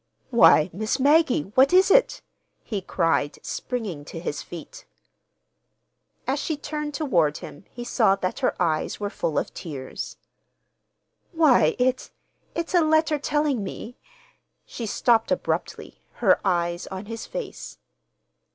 "Why, Miss Maggie, what is it?" he cried, springing to his feet. As she turned toward him he saw that her eyes were full of tears. "Why, it—it's a letter telling me—" She stopped abruptly, her eyes on his face.